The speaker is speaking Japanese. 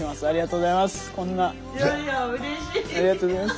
ありがとうございます。